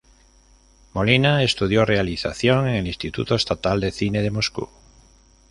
Molina estudió realización en el Instituto Estatal de Cine de Moscú.